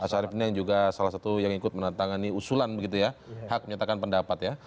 mas arief ini yang juga salah satu yang ikut menantangani usulan begitu ya hak menyatakan pendapat ya